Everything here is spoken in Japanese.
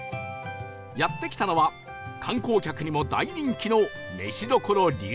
やって来たのは観光客にも大人気の